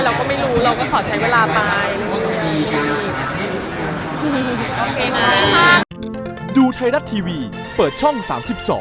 เราก็ไม่รู้เราก็ขอใช้เวลาไป